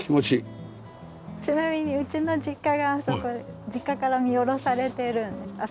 ちなみにうちの実家があそこで実家から見下ろされてるんです。